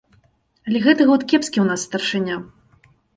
Але гэты год кепскі ў нас старшыня.